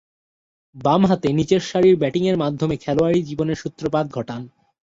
বামহাতে নিচেরসারিতে ব্যাটিংয়ের মাধ্যমে খেলোয়াড়ী জীবনের সূত্রপাত ঘটান।